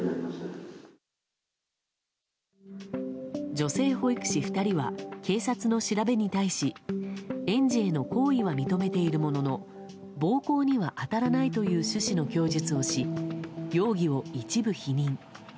女性保育士２人は警察の調べに対し園児への行為は認めているものの暴行には当たらないという趣旨の供述をし、容疑を一部否認。